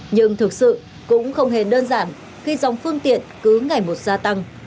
nhưng thực sự cũng không hề đơn giản khi dòng phương tiện cứ ngày một gia tăng